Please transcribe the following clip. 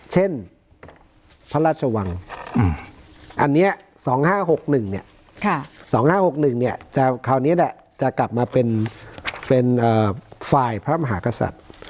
เช่นพระราชวังอันนี้๒๕๖๑๒๕๖๑คราวนี้จะกลับมาเป็นฝ่ายพระมหากษัตริย์